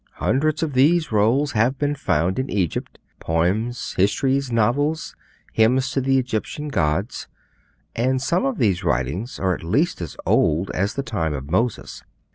Hundreds of these rolls have been found in Egypt: poems, histories, novels, hymns to the Egyptian gods; and some of these writings are at least as old as the time of Moses.